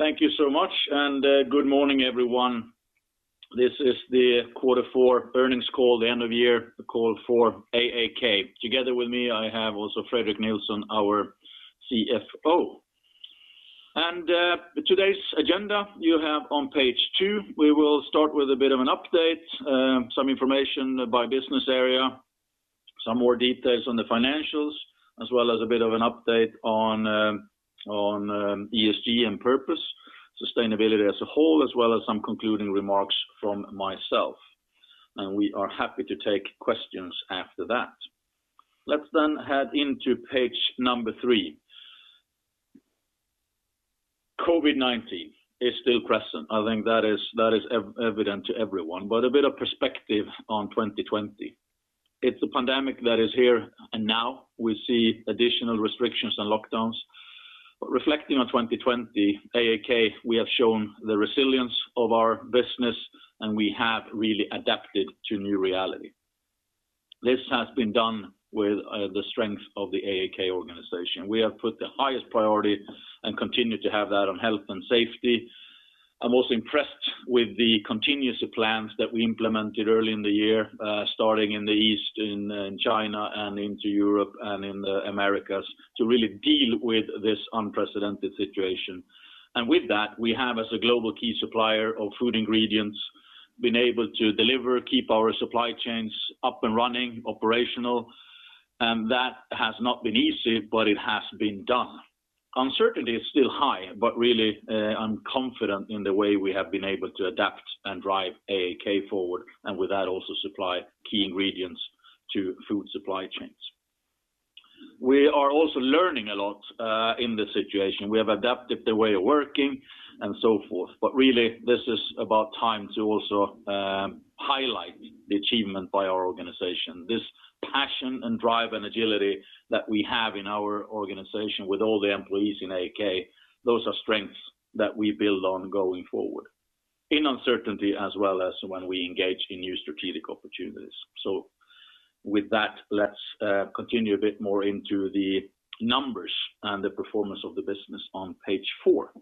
Thank you so much, good morning, everyone. This is the quarter four earnings call, the end-of-year call for AAK. Together with me, I have also Fredrik Nilsson, our CFO. Today's agenda you have on page two. We will start with a bit of an update, some information by business area, some more details on the financials, as well as a bit of an update on ESG and purpose, sustainability as a whole, as well as some concluding remarks from myself. We are happy to take questions after that. Let's head into page number three. COVID-19 is still present. I think that is evident to everyone, a bit of perspective on 2020. It's a pandemic that is here and now. We see additional restrictions and lockdowns. Reflecting on 2020, AAK, we have shown the resilience of our business, and we have really adapted to new reality. This has been done with the strength of the AAK organization. We have put the highest priority and continue to have that on health and safety. I'm also impressed with the continuous plans that we implemented early in the year, starting in the East, in China and into Europe and in the Americas, to really deal with this unprecedented situation. With that, we have, as a global key supplier of food ingredients, been able to deliver, keep our supply chains up and running, operational, and that has not been easy, but it has been done. Really, I'm confident in the way we have been able to adapt and drive AAK forward, and with that, also supply key ingredients to food supply chains. We are also learning a lot in this situation. We have adapted the way of working and so forth. Really, this is about time to also highlight the achievement by our organization. This passion, drive, and agility that we have in our organization with all the employees in AAK, those are strengths that we build on going forward, in uncertainty as well as when we engage in new strategic opportunities. With that, let's continue a bit more into the numbers and the performance of the business on page four.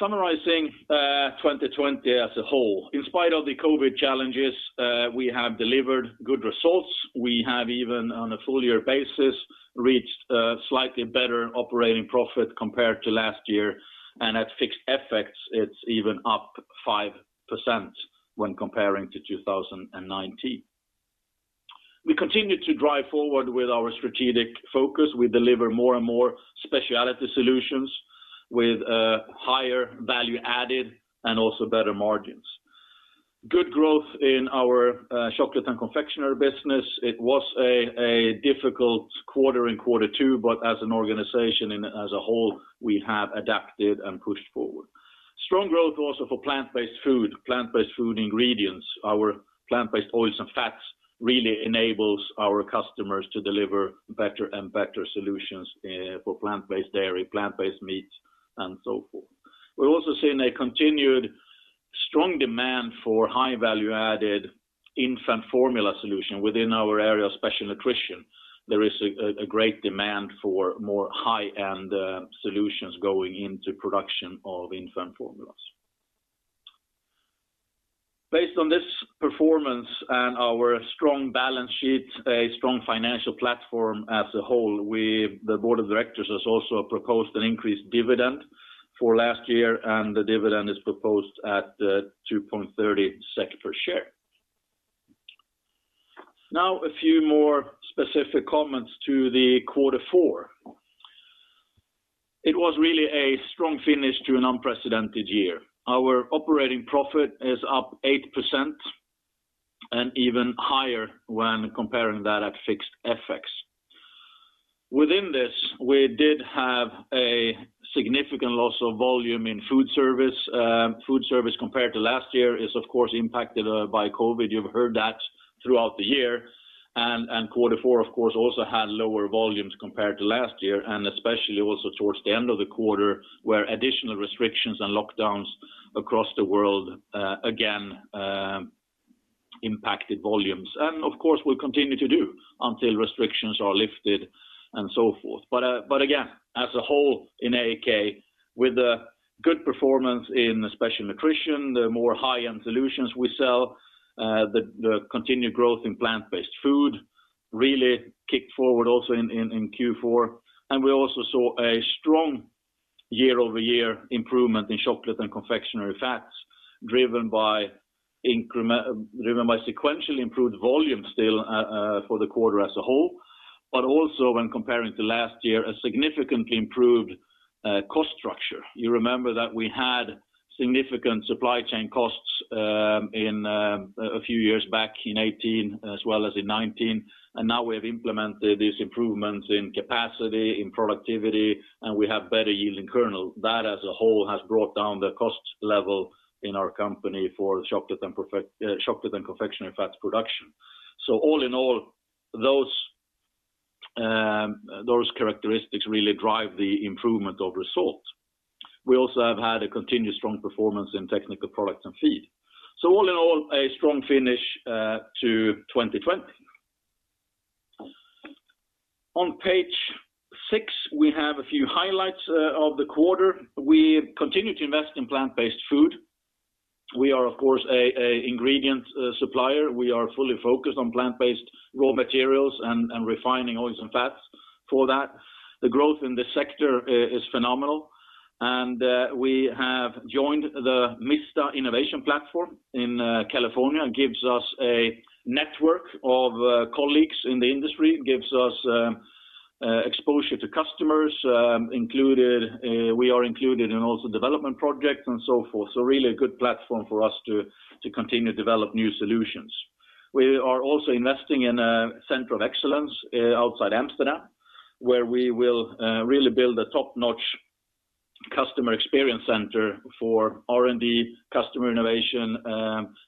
Summarizing 2020 as a whole. In spite of the COVID challenges, we have delivered good results. We have even, on a full-year basis, reached a slightly better operating profit compared to last year, and at fixed FX, it's even up 5% when comparing to 2019. We continue to drive forward with our strategic focus. We deliver more and more specialty solutions with higher value added and also better margins. Good growth in our Chocolate and Confectionery Fats business. It was a difficult quarter in quarter two. As an organization as a whole, we have adapted and pushed forward. Strong growth also for plant-based food, plant-based food ingredients. Our plant-based oils and fats really enable our customers to deliver better and better solutions for plant-based dairy, plant-based meat, and so forth. We're also seeing a continued strong demand for high value-added infant formula solution within our area of Special Nutrition. There is a great demand for more high-end solutions going into production of infant formulas. Based on this performance and our strong balance sheet, a strong financial platform as a whole, the board of directors has also proposed an increased dividend for last year. The dividend is proposed at 2.30 SEK per share. Now, a few more specific comments to the quarter four. It was really a strong finish to an unprecedented year. Our operating profit is up 8% and even higher when comparing that at fixed FX. Within this, we did have a significant loss of volume in food service. Food service compared to last year is, of course, impacted by COVID. You've heard that throughout the year. Q4, of course, also had lower volumes compared to last year, and especially also towards the end of the quarter, where additional restrictions and lockdowns across the world, again, impacted volumes. Of course, will continue to do until restrictions are lifted and so forth. Again, as a whole in AAK, with the good performance in Special Nutrition, the more high-end solutions we sell, the continued growth in plant-based food really kicked forward also in Q4. We also saw a strong year-over-year improvement in Chocolate and Confectionery Fats, driven by sequentially improved volume still for the quarter as a whole, but also when comparing to last year, a significantly improved cost structure. You remember that we had significant supply chain costs a few years back in 2018 as well as in 2019, and now we have implemented these improvements in capacity, in productivity, and we have better yielding kernel. That as a whole has brought down the cost level in our company for the Chocolate and Confectionery Fats production. All in all, those characteristics really drive the improvement of results. We also have had a continued strong performance in Technical Products and Feed. All in all, a strong finish to 2020. On page six, we have a few highlights of the quarter. We continue to invest in plant-based food. We are, of course, an ingredient supplier. We are fully focused on plant-based raw materials and refining oils and fats for that. The growth in this sector is phenomenal, and we have joined the MISTA Innovation Platform in California. It gives us a network of colleagues in the industry, gives us exposure to customers. We are included in also development projects and so forth. Really a good platform for us to continue to develop new solutions. We are also investing in a center of excellence outside Amsterdam, where we will really build a top-notch customer experience center for R&D customer innovation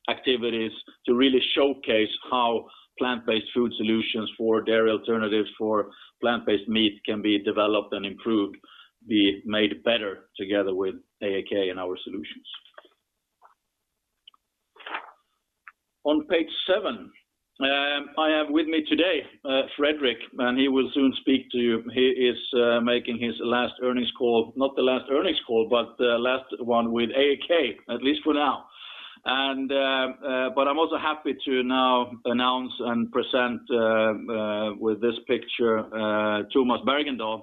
activities to really showcase how plant-based food solutions for dairy alternatives for plant-based meat can be developed and improved, be made better together with AAK and our solutions. On page seven, I have with me today, Fredrik, and he will soon speak to you. He is making his last earnings call, not the last earnings call, but the last one with AAK, at least for now. I'm also happy to now announce and present with this picture, Tomas Bergendahl,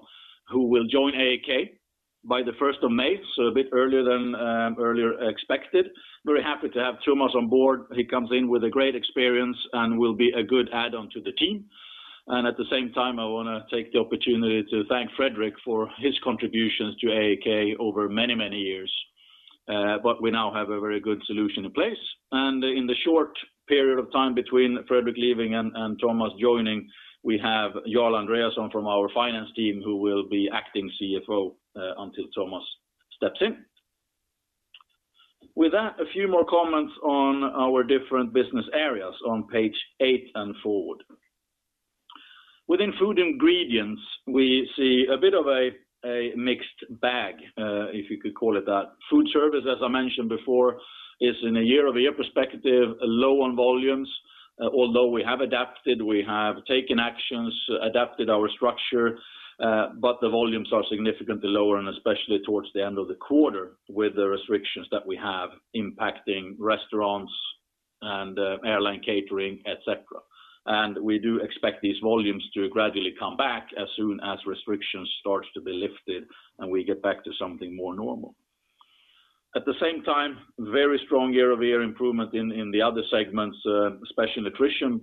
who will join AAK by the 1st of May, so a bit earlier than expected. Very happy to have Tomas on board. He comes in with great experience and will be a good add-on to the team. At the same time, I want to take the opportunity to thank Fredrik for his contributions to AAK over many, many years. We now have a very good solution in place. In the short period of time between Fredrik leaving and Tomas joining, we have Jarl Andreasson from our finance team who will be acting CFO until Tomas steps in. With that, a few more comments on our different business areas on page eight and forward. Within Food Ingredients, we see a bit of a mixed bag, if you could call it that. Food service, as I mentioned before, is in a year-over-year perspective, low on volumes. Although we have adapted, we have taken actions, adapted our structure, but the volumes are significantly lower, especially towards the end of the quarter with the restrictions that we have impacting restaurants and airline catering, et cetera. We do expect these volumes to gradually come back as soon as restrictions start to be lifted and we get back to something more normal. At the same time, very strong year-over-year improvement in the other segments, Special Nutrition,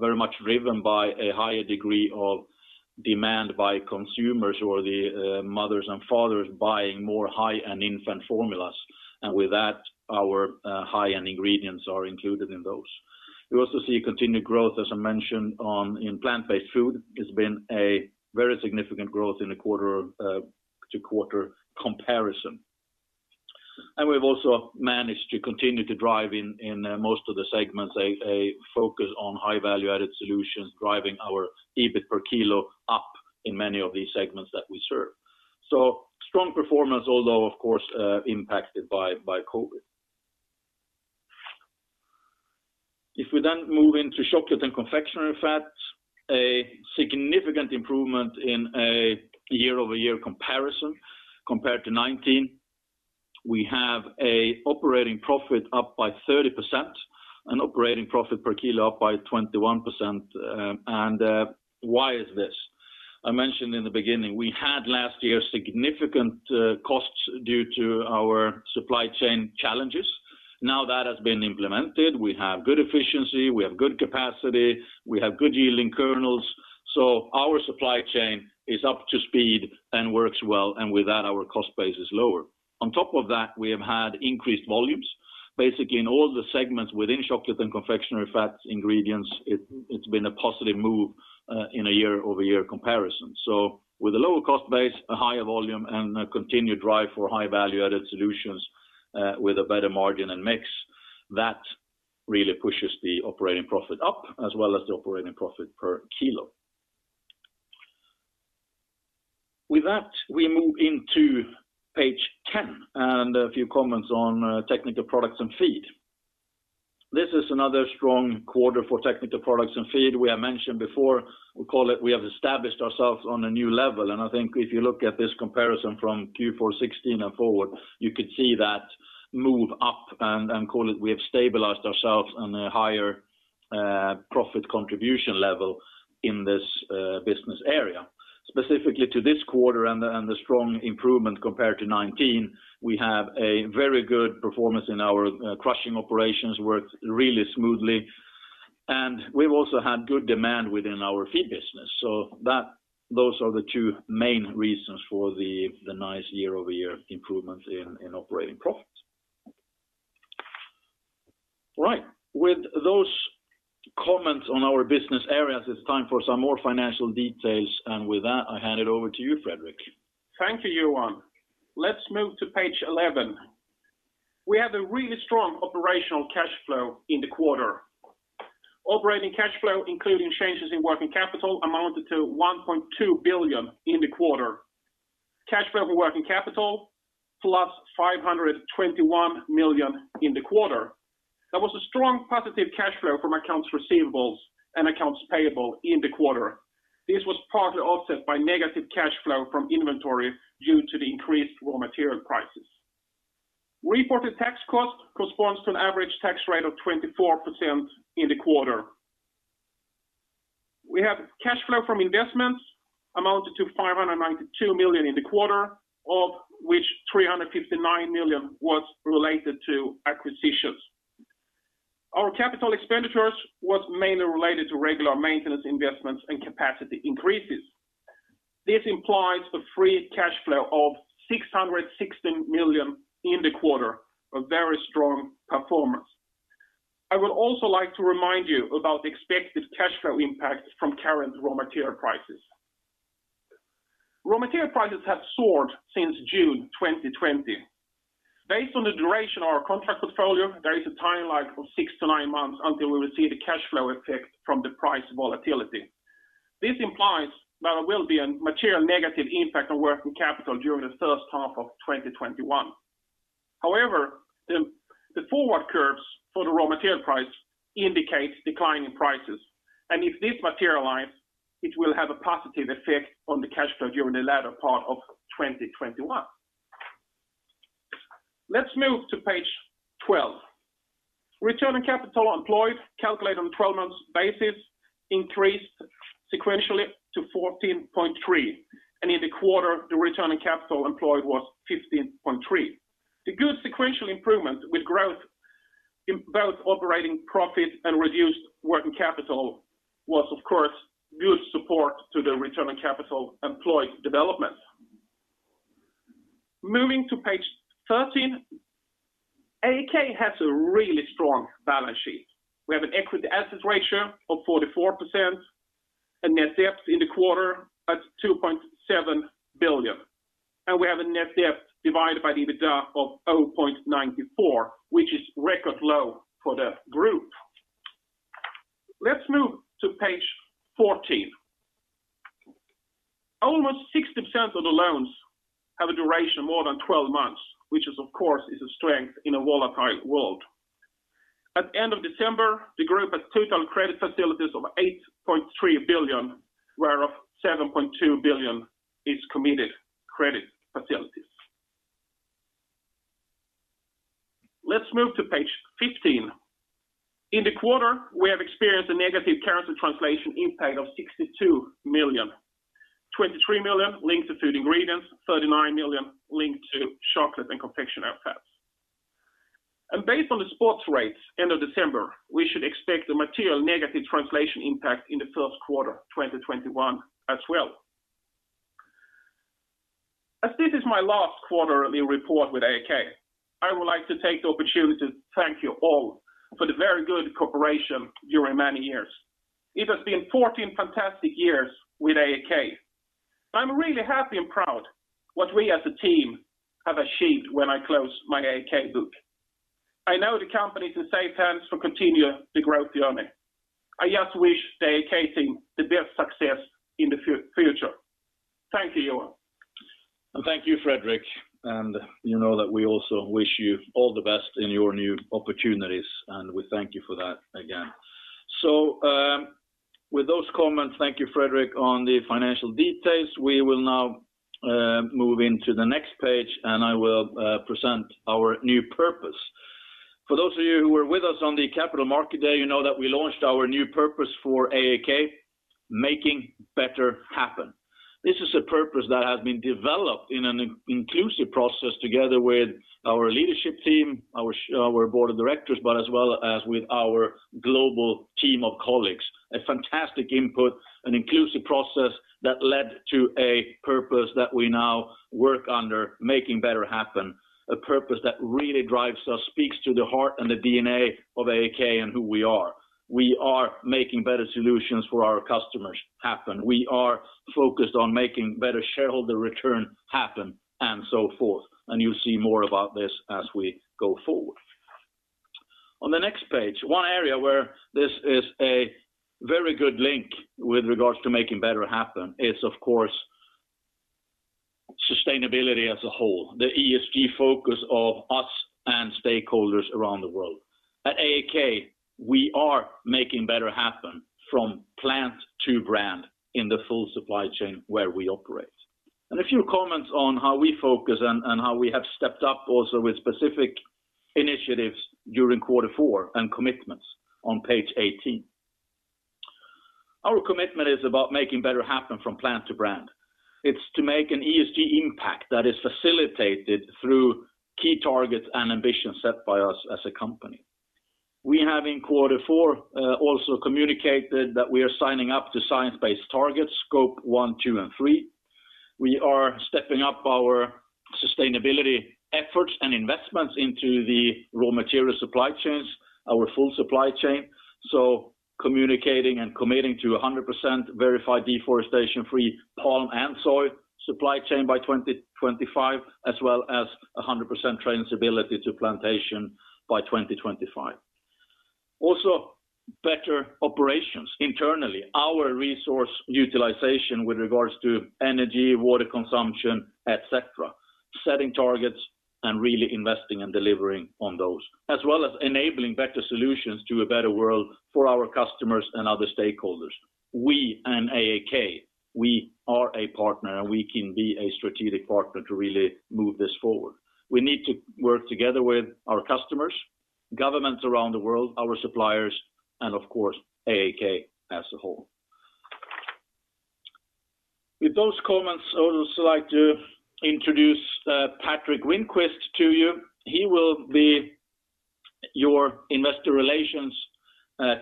very much driven by a higher degree of demand by consumers or the mothers and fathers buying more high-end infant formulas. With that, our high-end ingredients are included in those. We also see continued growth, as I mentioned, in plant-based food. It's been a very significant growth in the quarter-to-quarter comparison. We've also managed to continue to drive in most of the segments a focus on high value-added solutions, driving our EBIT per kilo up in many of these segments that we serve. Strong performance, although, of course, impacted by COVID. If we move into Chocolate and Confectionery Fats, a significant improvement in a year-over-year comparison compared to 2019. We have an operating profit up by 30% and operating profit per kilo up by 21%. Why is this? I mentioned in the beginning, we had last year significant costs due to our supply chain challenges. Now that has been implemented. We have good efficiency, we have good capacity, we have good yielding kernels, so our supply chain is up to speed and works well, and with that, our cost base is lower. On top of that, we have had increased volumes, basically in all the segments within Chocolate and Confectionery Fats ingredients, it's been a positive move in a year-over-year comparison. With a lower cost base, a higher volume, and a continued drive for high value-added solutions with a better margin and mix, that really pushes the operating profit up, as well as the operating profit per kilo. With that, we move into page 10 and a few comments on Technical Products and Feed. This is another strong quarter for Technical Products and Feed. We have mentioned before, we have established ourselves on a new level, and I think if you look at this comparison from Q4 2016 and forward, you could see that move up and call it we have stabilized ourselves on a higher profit contribution level in this business area. Specifically to this quarter and the strong improvement compared to 2019, we have a very good performance in our crushing operations, worked really smoothly, and we've also had good demand within our feed business. Those are the two main reasons for the nice year-over-year improvements in operating profits. Right. With those comments on our business areas, it's time for some more financial details, and with that, I hand it over to you, Fredrik. Thank you, Johan. Let's move to page 11. We have a really strong operational cash flow in the quarter. Operating cash flow, including changes in working capital, amounted to 1.2 billion in the quarter. Cash flow from working capital +521 million in the quarter. That was a strong positive cash flow from accounts receivables and accounts payable in the quarter. This was partly offset by negative cash flow from inventory due to the increased raw material prices. Reported tax cost corresponds to an average tax rate of 24% in the quarter. We have cash flow from investments amounted to 592 million in the quarter, of which 359 million was related to acquisitions. Our capital expenditures was mainly related to regular maintenance investments and capacity increases. This implies a free cash flow of 616 million in the quarter. A very strong performance. I would also like to remind you about the expected cash flow impact from current raw material prices. Raw material prices have soared since June 2020. Based on the duration of our contract portfolio, there is a timeline of six to nine months until we will see the cash flow effect from the price volatility. This implies that there will be a material negative impact on working capital during the first half of 2021. However, the forward curves for the raw material price indicates decline in prices, and if this materialize, it will have a positive effect on the cash flow during the latter part of 2021. Let's move to page 12. Return on capital employed, calculated on 12 months basis, increased sequentially to 14.3%, and in the quarter the return on capital employed was 15.3%. The good sequential improvement with growth in both operating profit and reduced working capital was of course good support to the return on capital employed development. Moving to page 13. AAK has a really strong balance sheet. We have an equity assets ratio of 44% and net debt in the quarter at 2.7 billion. We have a net debt divided by the EBITDA of 0.94, which is record low for the group. Let's move to page 14. Almost 60% of the loans have a duration of more than 12 months, which is of course a strength in a volatile world. At the end of December, the group had total credit facilities of 8.3 billion, whereof 7.2 billion is committed credit facilities. Let's move to page 15. In the quarter, we have experienced a negative currency translation impact of 62 million, 23 million linked to Food Ingredients, 39 million linked to Chocolate and Confectionery Fats. Based on the spots rates end of December, we should expect a material negative translation impact in the first quarter 2021 as well. As this is my last quarterly report with AAK, I would like to take the opportunity to thank you all for the very good cooperation during many years. It has been 14 fantastic years with AAK. I'm really happy and proud what we as a team have achieved when I close my AAK book. I know the company is in safe hands to continue the growth journey. I just wish the AAK team the best success in the future. Thank you all. Thank you, Fredrik, and you know that we also wish you all the best in your new opportunities, and we thank you for that again. With those comments, thank you, Fredrik, on the financial details. We will now move into the next page and I will present our new purpose. For those of you who were with us on the Capital Market Day, you know that we launched our new purpose for AAK, Making Better Happen. This is a purpose that has been developed in an inclusive process together with our leadership team, our board of directors, but as well as with our global team of colleagues. A fantastic input and inclusive process that led to a purpose that we now work under, Making Better Happen, a purpose that really drives us, speaks to the heart and the DNA of AAK and who we are. We are making better solutions for our customers happen. We are focused on making better shareholder return happen, and so forth, and you'll see more about this as we go forward. On the next page, one area where this is a very good link with regards to Making Better Happen is of course sustainability as a whole, the ESG focus of us and stakeholders around the world. At AAK, we are Making Better Happen from plant to brand in the full supply chain where we operate. A few comments on how we focus and how we have stepped up also with specific initiatives during Q4 and commitments on page 18. Our commitment is about Making Better Happen from plant to brand. It's to make an ESG impact that is facilitated through key targets and ambitions set by us as a company. We have in Q4 also communicated that we are signing up to science-based targets, scope one, two, and three. We are stepping up our sustainability efforts and investments into the raw material supply chains, our full supply chain, so communicating and committing to 100% verified deforestation-free palm and soy supply chain by 2025, as well as 100% traceability to plantation by 2025. Better operations internally, our resource utilization with regards to energy, water consumption, et cetera, setting targets and really investing and delivering on those, as well as enabling better solutions to a better world for our customers and other stakeholders. We in AAK, we are a partner, and we can be a strategic partner to really move this forward. We need to work together with our customers, governments around the world, our suppliers, and of course, AAK as a whole. I would also like to introduce Patrick Winqvist to you. He will be your investor relations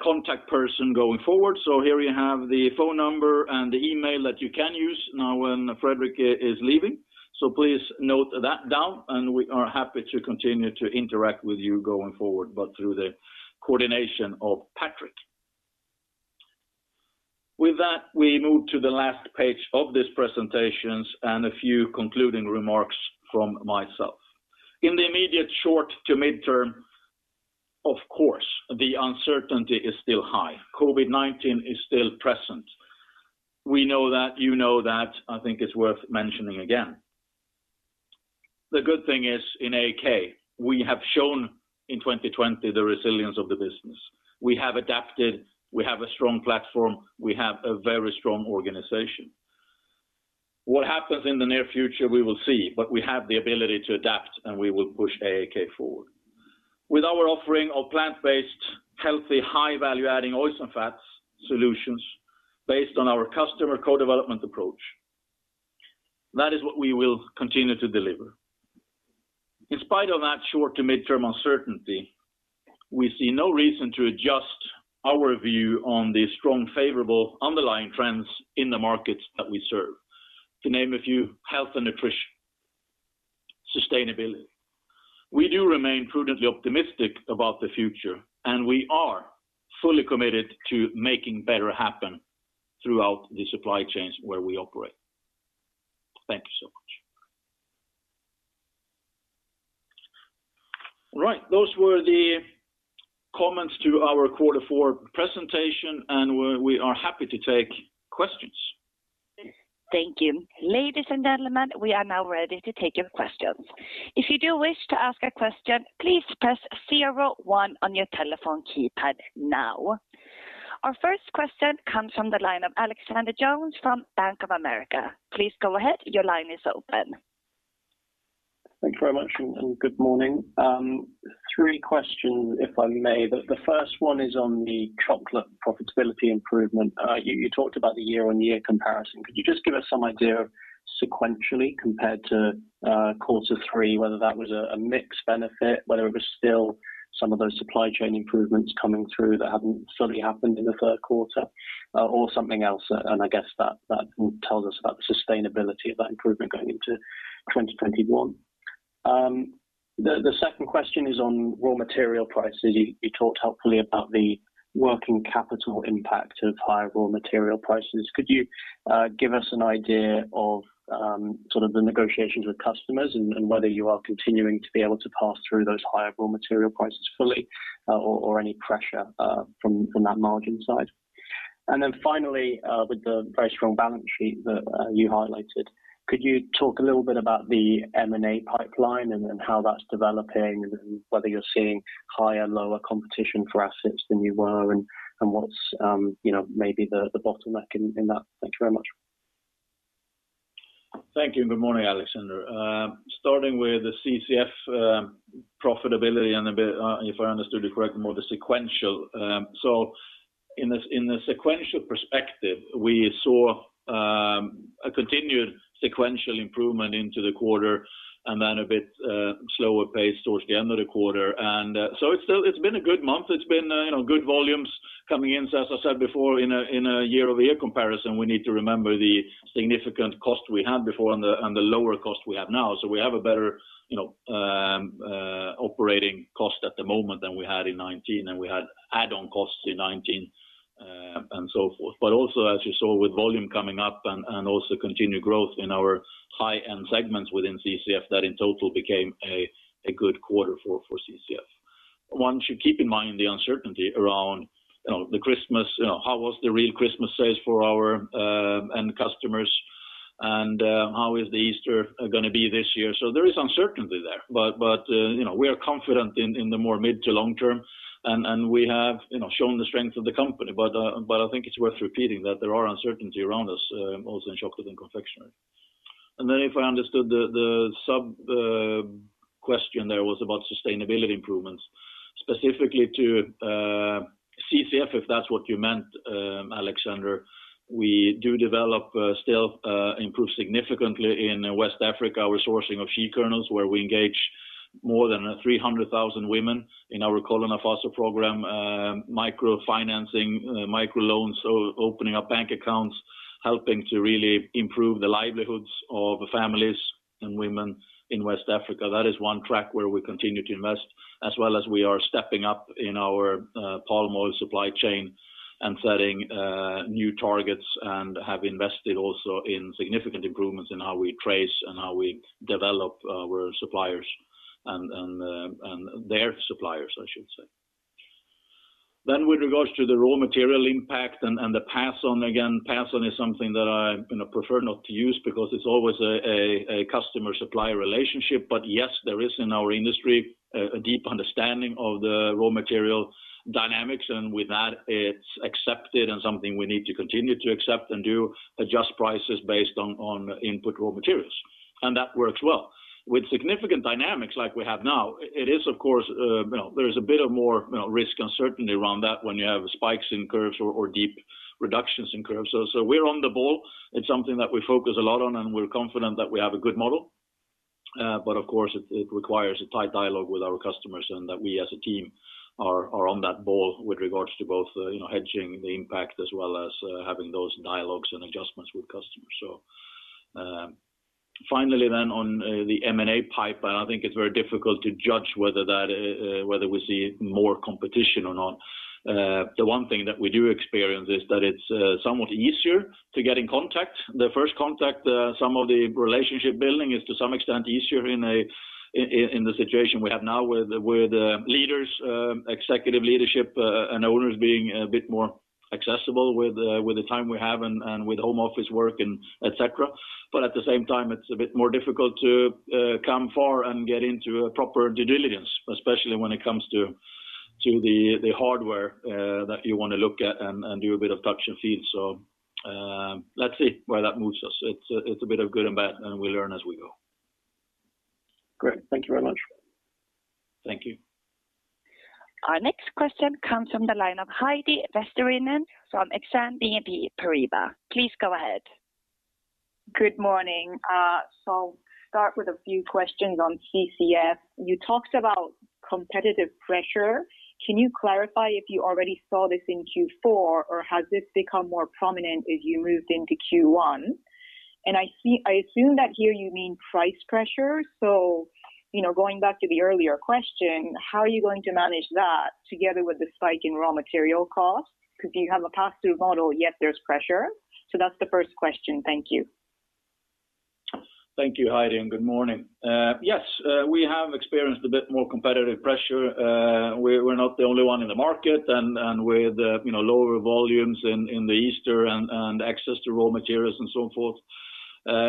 contact person going forward. Here you have the phone number and the email that you can use now when Fredrik is leaving. Please note that down, and we are happy to continue to interact with you going forward, but through the coordination of Patrick. With that, we move to the last page of these presentations and a few concluding remarks from myself. In the immediate short to mid-term, of course, the uncertainty is still high. COVID-19 is still present. We know that you know that. I think it's worth mentioning again. The good thing is in AAK, we have shown in 2020 the resilience of the business. We have adapted, we have a strong platform, we have a very strong organization. What happens in the near future, we will see, but we have the ability to adapt, and we will push AAK forward. With our offering of plant-based, healthy, high-value adding oils and fats solutions based on our customer co-development approach, that is what we will continue to deliver. In spite of that short to mid-term uncertainty, we see no reason to adjust our view on the strong, favorable underlying trends in the markets that we serve. To name a few, health and nutrition, sustainability. We do remain prudently optimistic about the future, and we are fully committed to Making Better Happen throughout the supply chains where we operate. Thank you so much. Right, those were the comments to our quarter four presentation, and we are happy to take questions. Thank you. Ladies and gentlemen, we are now ready to take your questions. If you do wish to ask a question, please press zero one on your telephone keypad now. Our first question comes from the line of Alexander Jones from Bank of America. Please go ahead, your line is open. Thanks very much, good morning. Three questions, if I may. The first one is on the chocolate profitability improvement. You talked about the year-on-year comparison. Could you just give us some idea sequentially compared to quarter three, whether that was a mixed benefit, whether it was still some of those supply chain improvements coming through that hadn't fully happened in the third quarter or something else? I guess that will tell us about the sustainability of that improvement going into 2021. The second question is on raw material prices. You talked helpfully about the working capital impact of higher raw material prices. Could you give us an idea of the negotiations with customers and whether you are continuing to be able to pass through those higher raw material prices fully or any pressure from that margin side? Finally, with the very strong balance sheet that you highlighted, could you talk a little bit about the M&A pipeline and how that's developing and whether you're seeing higher, lower competition for assets than you were and what's maybe the bottleneck in that? Thank you very much. Thank you, good morning, Alexander. Starting with the CCF profitability and a bit, if I understood it correctly, more the sequential. In the sequential perspective, we saw a continued sequential improvement into the quarter and then a bit slower pace towards the end of the quarter. It's been a good month. It's been good volumes coming in. As I said before, in a year-over-year comparison, we need to remember the significant cost we had before and the lower cost we have now. We have a better operating cost at the moment than we had in 2019, and we had add-on costs in 2019 and so forth. Also as you saw with volume coming up and also continued growth in our high-end segments within CCF, that in total became a good quarter for CCF. One should keep in mind the uncertainty around the Christmas, how was the real Christmas sales for our end customers, and how is the Easter going to be this year? There is uncertainty there, but we are confident in the more mid to long term, and we have shown the strength of the company. I think it's worth repeating that there are uncertainty around us also in Chocolate and Confectionery. If I understood the sub-question there was about sustainability improvements, specifically to CCF, if that's what you meant, Alexander. We do develop still improve significantly in West Africa, our sourcing of shea kernels, where we engage more than 300,000 women in our Kolo Nafaso program, microfinancing, microloans, opening up bank accounts, helping to really improve the livelihoods of families and women in West Africa. That is one track where we continue to invest, as well as we are stepping up in our palm oil supply chain. Setting new targets and have invested also in significant improvements in how we trace and how we develop our suppliers and their suppliers, I should say. With regards to the raw material impact and the pass on, again, pass on is something that I prefer not to use because it's always a customer-supplier relationship. Yes, there is in our industry a deep understanding of the raw material dynamics, and with that, it's accepted and something we need to continue to accept and do adjust prices based on input raw materials. That works well. With significant dynamics like we have now, there is a bit of more risk and uncertainty around that when you have spikes in curves or deep reductions in curves. We’re on the ball. It’s something that we focus a lot on, and we’re confident that we have a good model. Of course, it requires a tight dialogue with our customers and that we as a team are on that ball with regards to both hedging the impact as well as having those dialogues and adjustments with customers. Finally on the M&A pipeline, I think it’s very difficult to judge whether we see more competition or not. The one thing that we do experience is that it’s somewhat easier to get in contact. The first contact, some of the relationship building is to some extent easier in the situation we have now with leaders, executive leadership, and owners being a bit more accessible with the time we have and with home office work and et cetera. At the same time, it's a bit more difficult to come far and get into a proper due diligence, especially when it comes to the hardware that you want to look at and do a bit of touch and feel. Let's see where that moves us. It's a bit of good and bad, and we learn as we go. Great. Thank you very much. Thank you. Our next question comes from the line of Heidi Vesterinen from Exane BNP Paribas. Please go ahead. Good morning. Start with a few questions on CCF. You talked about competitive pressure. Can you clarify if you already saw this in Q4, or has this become more prominent as you moved into Q1? I assume that here you mean price pressure. Going back to the earlier question, how are you going to manage that together with the spike in raw material cost? Because you have a pass-through model, yet there's pressure. That's the first question. Thank you. Thank you, Heidi, and good morning. We have experienced a bit more competitive pressure. We're not the only one in the market, and with lower volumes in the Easter and access to raw materials and so forth,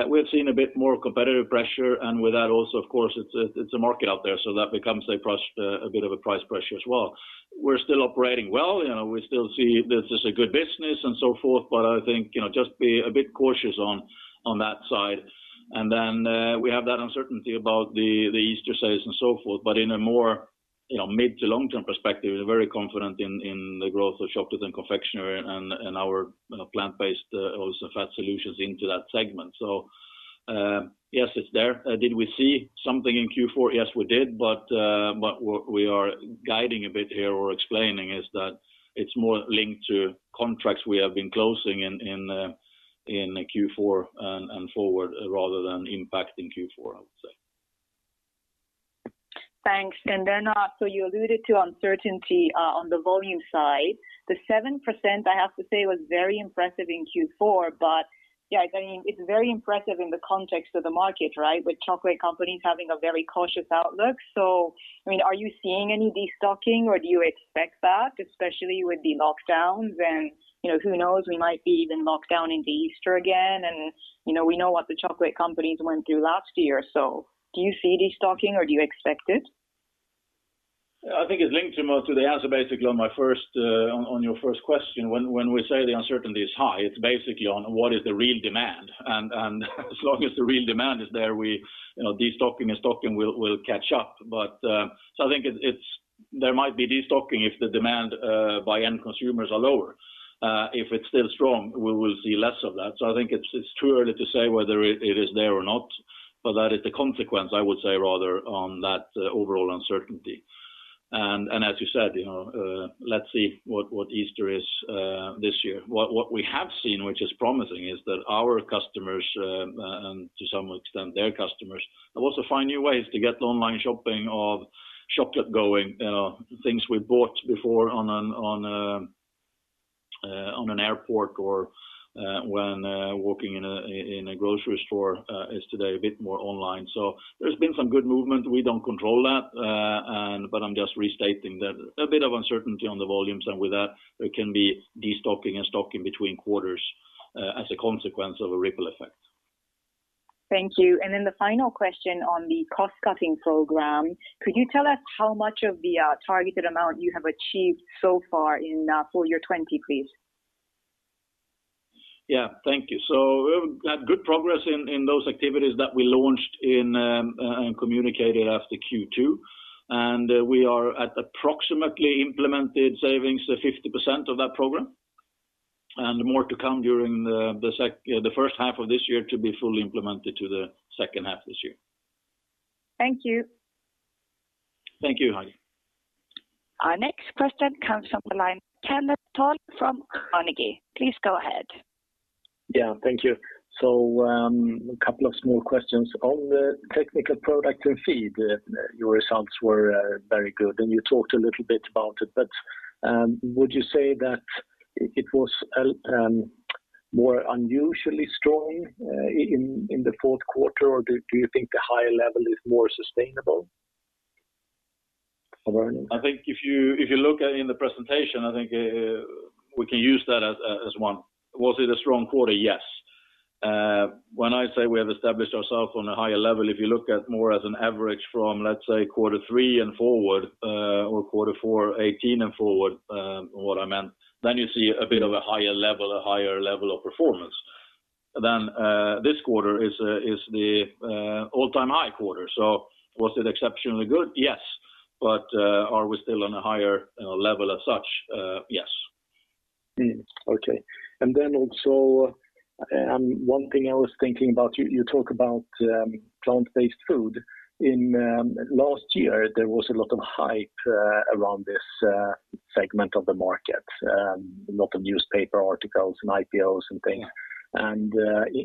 we've seen a bit more competitive pressure. With that also, of course, it's a market out there, so that becomes a bit of a price pressure as well. We're still operating well. We still see this as a good business and so forth. I think, just be a bit cautious on that side. Then we have that uncertainty about the Easter sales and so forth. In a more mid to long-term perspective, we're very confident in the growth of Chocolate and Confectionery and our plant-based also fat solutions into that segment. Yes, it's there. Did we see something in Q4? Yes, we did. What we are guiding a bit here or explaining is that it's more linked to contracts we have been closing in Q4 and forward rather than impact in Q4, I would say. Thanks. You alluded to uncertainty on the volume side. The 7%, I have to say, was very impressive in Q4. Yeah, it's very impressive in the context of the market, right? With chocolate companies having a very cautious outlook. Are you seeing any de-stocking or do you expect that, especially with the lockdowns? And who knows, we might be even locked down into Easter again, and we know what the chocolate companies went through last year. Do you see de-stocking or do you expect it? I think it's linked to most of the answer basically on your first question. When we say the uncertainty is high, it's basically on what is the real demand. As long as the real demand is there, de-stocking and stocking will catch up. I think there might be de-stocking if the demand by end consumers are lower. If it's still strong, we will see less of that. I think it's too early to say whether it is there or not, but that is the consequence, I would say, rather, on that overall uncertainty. As you said, let's see what Easter is this year. What we have seen, which is promising, is that our customers, and to some extent their customers, have also found new ways to get online shopping of chocolate going. Things we bought before on an airport or when walking in a grocery store is today a bit more online. There's been some good movement. We don't control that, but I'm just restating that a bit of uncertainty on the volumes, and with that, there can be de-stocking and stocking between quarters as a consequence of a ripple effect. Thank you. The final question on the cost-cutting program. Could you tell us how much of the targeted amount you have achieved so far in full year 2020, please? Yeah. Thank you. We've had good progress in those activities that we launched and communicated after Q2, and we are at approximately implemented savings of 50% of that program, and more to come during the first half of this year to be fully implemented to the second half this year. Thank you. Thank you, Heidi. Our next question comes from the line, Kenneth Toll from Carnegie. Please go ahead. Yeah. Thank you. A couple of small questions. On the Technical Products and Feed, your results were very good and you talked a little bit about it, but would you say that it was more unusually strong in the fourth quarter, or do you think the higher level is more sustainable? I think if you look in the presentation, I think we can use that as one. Was it a strong quarter? Yes. When I say we have established ourselves on a higher level, if you look at more as an average from, let’s say quarter three and forward, or quarter four 2018 and forward, what I meant, you see a bit of a higher level of performance. This quarter is the all-time high quarter. Was it exceptionally good? Yes. Are we still on a higher level as such? Yes. Okay. Then also, one thing I was thinking about, you talk about plant-based food. In last year, there was a lot of hype around this segment of the market, a lot of newspaper articles and IPOs and things.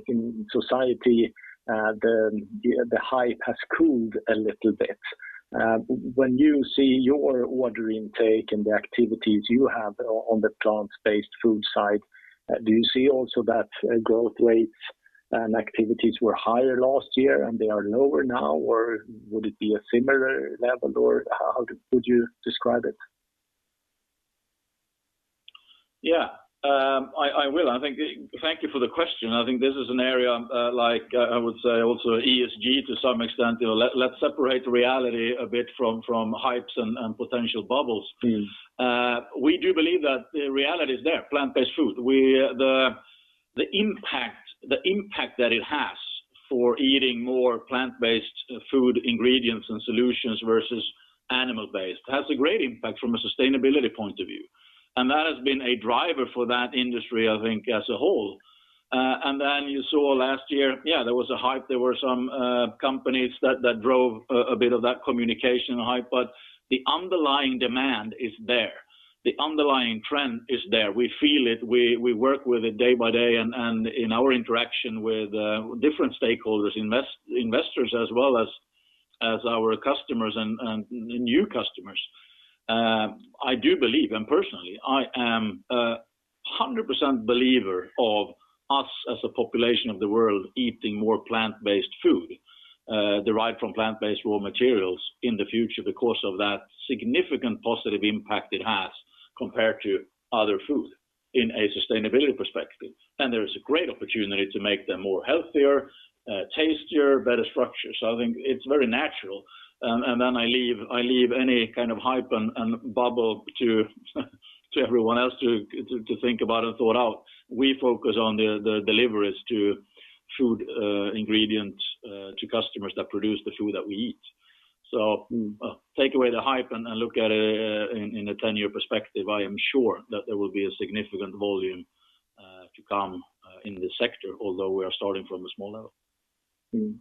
In society, the hype has cooled a little bit. When you see your order intake and the activities you have on the plant-based food side, do you see also that growth rates and activities were higher last year and they are lower now? Or would it be a similar level? Or how would you describe it? Yeah. I will. Thank you for the question. I think this is an area, like I would say also ESG to some extent, let's separate reality a bit from hypes and potential bubbles. We do believe that the reality is there, plant-based food. The impact that it has for eating more plant-based Food Ingredients and solutions versus animal-based, has a great impact from a sustainability point of view. That has been a driver for that industry as a whole. You saw last year, yeah, there was a hype. There were some companies that drove a bit of that communication hype, but the underlying demand is there. The underlying trend is there. We feel it. We work with it day by day and in our interaction with different stakeholders, investors as well as our customers and new customers. I do believe, and personally, I am 100% believer of us as a population of the world eating more plant-based food, derived from plant-based raw materials in the future because of that significant positive impact it has compared to other food in a sustainability perspective. There is a great opportunity to make them more healthier, tastier, better structure. I think it's very natural. I leave any kind of hype and bubble to everyone else to think about and sort out. We focus on the deliveries to food ingredients to customers that produce the food that we eat. Take away the hype and look at it in a 10-year perspective. I am sure that there will be a significant volume to come in this sector, although we are starting from a small level.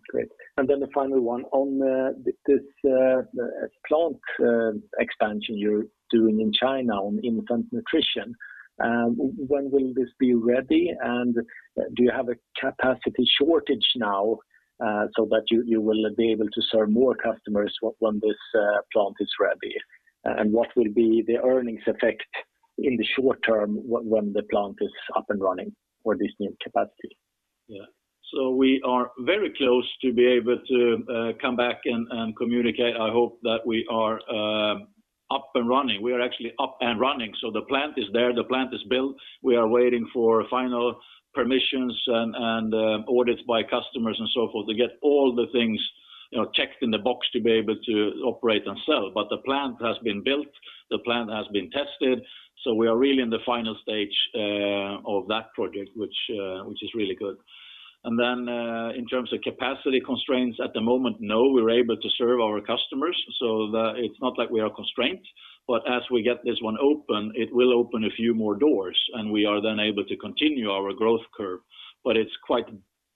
Great. The final one. On this plant expansion you're doing in China on infant nutrition, when will this be ready? Do you have a capacity shortage now so that you will be able to serve more customers when this plant is ready? What will be the earnings effect in the short term when the plant is up and running for this new capacity? Yeah. We are very close to be able to come back and communicate. I hope that we are up and running. We are actually up and running. The plant is there, the plant is built. We are waiting for final permissions and audits by customers and so forth to get all the things checked in the box to be able to operate and sell. The plant has been built, the plant has been tested, so we are really in the final stage of that project, which is really good. In terms of capacity constraints at the moment, no, we're able to serve our customers, so it's not like we are constrained. As we get this one open, it will open a few more doors, and we are then able to continue our growth curve. It's quite,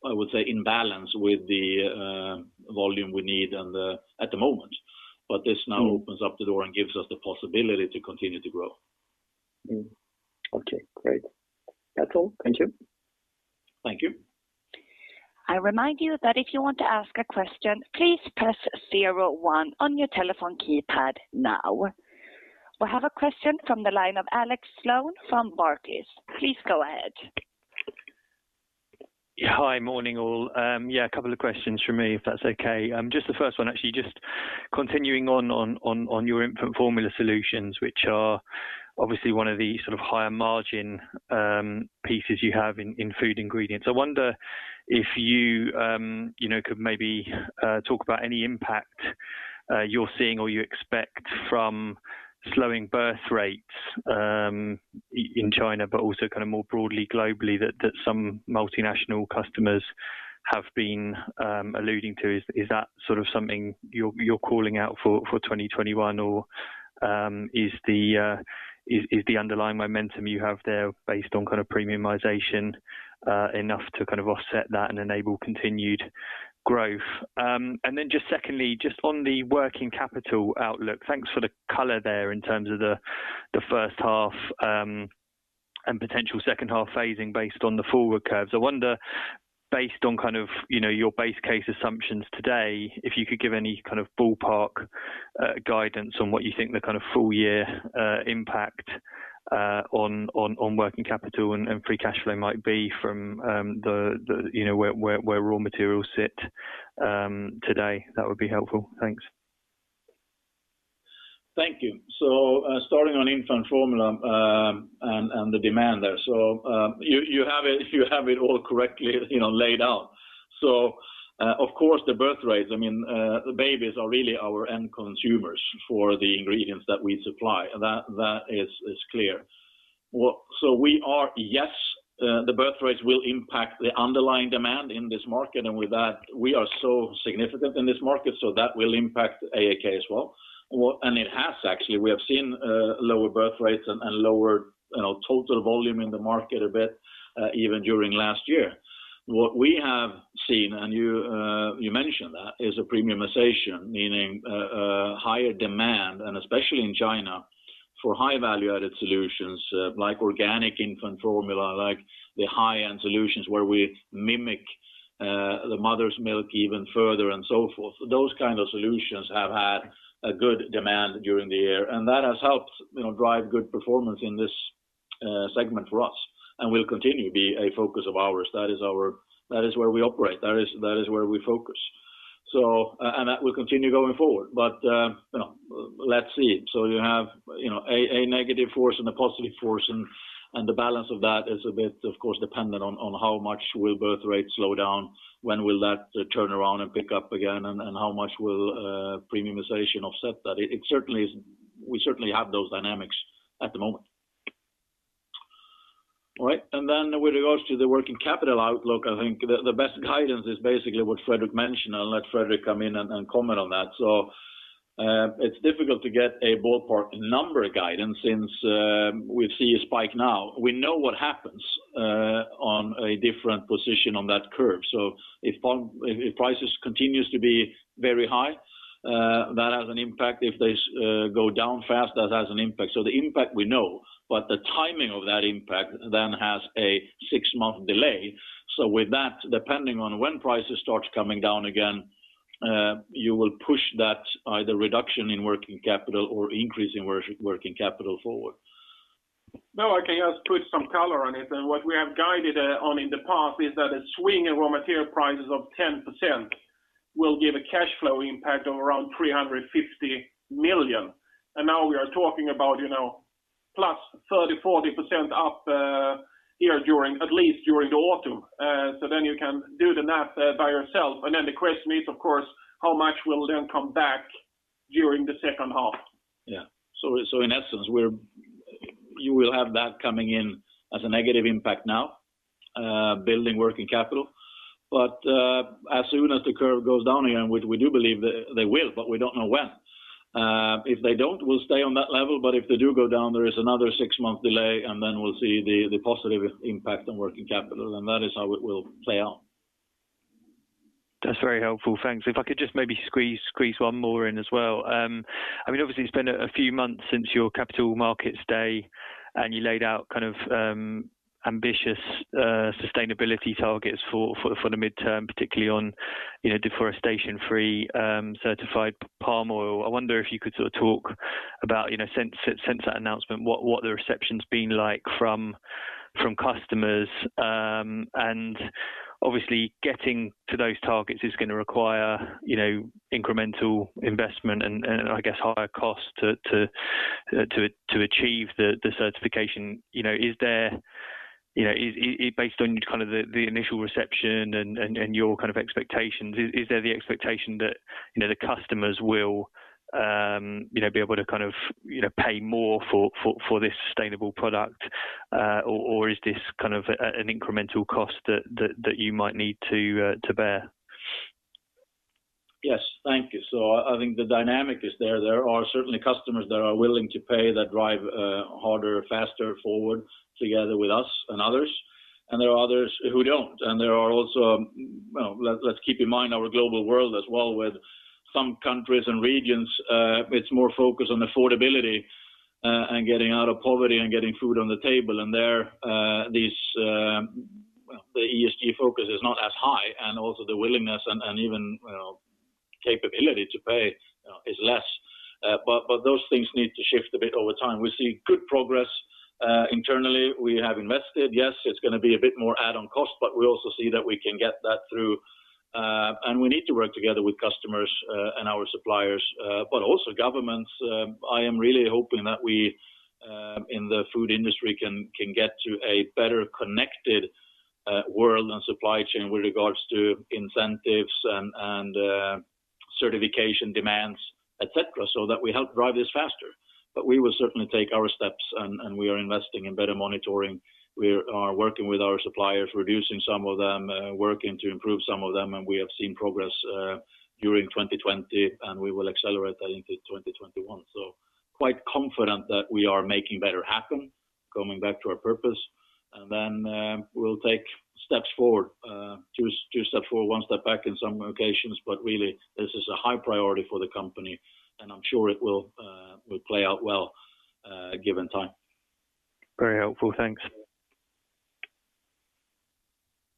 I would say, in balance with the volume we need at the moment. This now opens up the door and gives us the possibility to continue to grow. Okay, great. That's all. Thank you. Thank you. I remind you that if you want to ask a question, please press zero one on your telephone keypad now. We have a question from the line of Alex Sloane from Barclays. Please go ahead. Hi. Morning, all. A couple of questions from me, if that's okay. Just the first one, actually, just continuing on your infant formula solutions, which are obviously one of the sort of higher margin pieces you have in Food Ingredients. I wonder if you could maybe talk about any impact you're seeing or you expect from slowing birth rates in China, also kind of more broadly globally that some multinational customers have been alluding to. Is that sort of something you're calling out for 2021? Is the underlying momentum you have there based on kind of premiumization enough to kind of offset that and enable continued growth? Just secondly, just on the working capital outlook, thanks for the color there in terms of the first half and potential second half phasing based on the forward curves. I wonder, based on your base case assumptions today, if you could give any ballpark guidance on what you think the full year impact on working capital and free cash flow might be from where raw materials sit today. That would be helpful. Thanks. Thank you. Starting on infant formula, and the demand there. You have it all correctly laid out. Of course, the birth rates, the babies are really our end consumers for the ingredients that we supply, that is clear. Yes, the birth rates will impact the underlying demand in this market, and with that, we are so significant in this market, so that will impact AAK as well. It has actually, we have seen lower birth rates and lower total volume in the market a bit, even during last year. What we have seen, and you mentioned that, is a premiumization, meaning a higher demand, and especially in China, for high value-added solutions, like organic infant formula, like the high-end solutions where we mimic the mother's milk even further and so forth. Those kinds of solutions have had a good demand during the year, and that has helped drive good performance in this segment for us, and will continue to be a focus of ours. That is where we operate, that is where we focus. That will continue going forward. Let's see. You have a negative force and a positive force, and the balance of that is a bit, of course, dependent on how much will birth rates slow down? When will that turn around and pick up again? How much will premiumization offset that? We certainly have those dynamics at the moment. All right, with regards to the working capital outlook, I think the best guidance is basically what Fredrik mentioned, I'll let Fredrik come in and comment on that. It's difficult to get a ballpark number guidance since we see a spike now. We know what happens on a different position on that curve. If prices continues to be very high, that has an impact. If they go down fast, that has an impact. The impact we know, the timing of that impact has a six-month delay. With that, depending on when prices start coming down again, you will push that either reduction in working capital or increase in working capital forward. No, I can just put some color on it. What we have guided on in the past is that a swing in raw material prices of 10% will give a cash flow impact of around 350 million. Now we are talking about +30%, +40% up here during, at least during the autumn. You can do the math by yourself. The question is, of course, how much will then come back during the second half? Yeah. In essence, you will have that coming in as a negative impact now, building working capital. As soon as the curve goes down again, we do believe they will, but we don't know when. If they don't, we'll stay on that level. If they do go down, there is another six-month delay. Then we'll see the positive impact on working capital. That is how it will play out. That's very helpful, thanks. If I could just maybe squeeze one more in as well. Obviously, it's been a few months since your Capital Market Day, and you laid out ambitious sustainability targets for the midterm, particularly on deforestation-free certified palm oil. I wonder if you could sort of talk about, since that announcement, what the reception's been like from customers? Obviously, getting to those targets is going to require incremental investment and I guess higher cost to achieve the certification. Based on the initial reception and your expectations, is there the expectation that the customers will be able to pay more for this sustainable product? Or is this an incremental cost that you might need to bear? Yes, thank you. I think the dynamic is there. There are certainly customers that are willing to pay that drive harder, faster forward together with us and others, and there are others who don't. There are also, let's keep in mind our global world as well with some countries and regions, it's more focused on affordability, and getting out of poverty and getting food on the table. There, the ESG focus is not as high, and also the willingness and even capability to pay is less. Those things need to shift a bit over time. We see good progress internally. We have invested, yes, it's going to be a bit more add-on cost, but we also see that we can get that through. We need to work together with customers and our suppliers, but also governments. I am really hoping that we in the food industry can get to a better connected world and supply chain with regards to incentives and certification demands, et cetera, so that we help drive this faster. We will certainly take our steps, and we are investing in better monitoring. We are working with our suppliers, reducing some of them, working to improve some of them, and we have seen progress during 2020, and we will accelerate that into 2021. Quite confident that we are Making Better Happen, going back to our purpose. We'll take steps forward, two steps forward, one step back in some locations, but really, this is a high priority for the company, and I'm sure it will play out well given time. Very helpful. Thanks.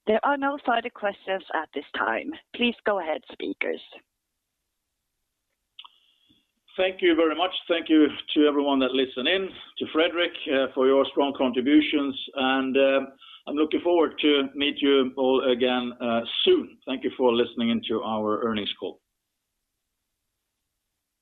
There are no further questions at this time. Please go ahead, speakers. Thank you very much. Thank you to everyone that listened in, to Fredrik for your strong contributions. I'm looking forward to meet you all again soon. Thank you for listening in to our earnings call.